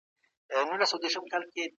مهال هم له خپلو کتابو څخه جلا نه سو او هر څه